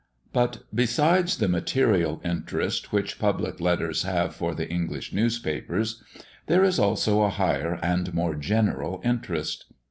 But, besides the material interest which public letters have for the English newspapers, there is also a higher and more general interest.